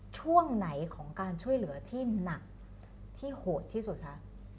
ช่วงไหนของการช่วยเหลือที่หนักที่โหดที่สุดคะ